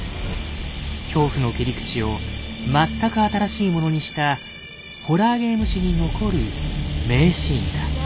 恐怖の切り口を全く新しいものにしたホラーゲーム史に残る名シーンだ。